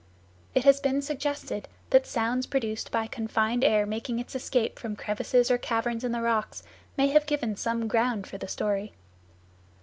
It has been suggested that sounds produced by confined air making its escape from crevices or caverns in the rocks may have given some ground for the story.